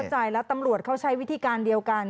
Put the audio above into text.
ใจแล้วตำรวจเขาใช้วิธีการเดียวกัน